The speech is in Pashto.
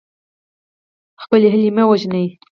خپلې هیلې مه وژنئ.